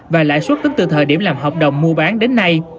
và lãi suất tính từ thời điểm làm hợp đồng mua bán đến nay